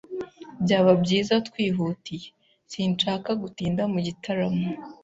Byaba byiza twihutiye. Sinshaka gutinda mu gitaramo.